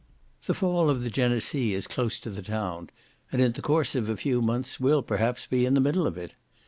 The fall of the Genesee is close to the town, and in the course of a few months will, perhaps, be in the middle of it.